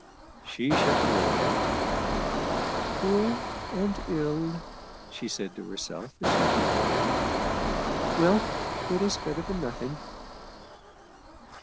She shut the window. " Poor and ill " she said to herself as she drew the curtain. " Well, it is better than nothing."